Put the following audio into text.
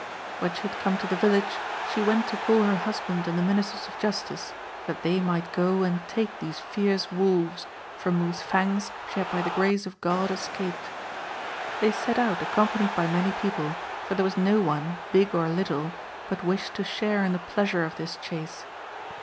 When she had come to the village, she went to call her husband and the ministers of justice that they might go and take these fierce wolves, from whose fangs she had by the grace of God escaped. They set out accompanied by many people, for there was no one, big or little, but wished to share in the pleasure of this chase.